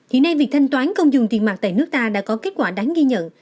hiện nay việc thanh toán không dùng tiền mặt tại nước ta đã có kết quả đáng ghi nhận